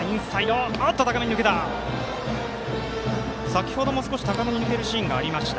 先ほども高めに抜けるシーンがありました。